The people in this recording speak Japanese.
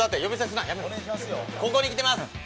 ここに来てます。